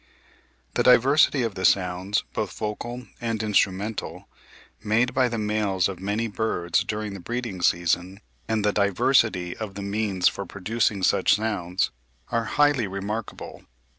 The diversity of the sounds, both vocal and instrumental, made by the males of many birds during the breeding season, and the diversity of the means for producing such sounds, are highly remarkable.